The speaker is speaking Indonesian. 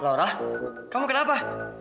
laura kamu kenapa